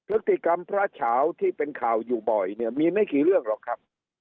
ฤคฏิกรรมพระเฉาที่เป็นข่าวอยู่บ่อยบ่อยแน่นี้มีไม่เกี่ยวกับเรื่องหรอกครับ